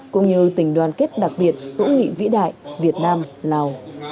cũng như tình đoàn kết đặc biệt hữu nghị vĩ đại việt nam lào